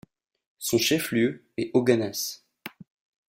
Son chef-lieu est Höganäs.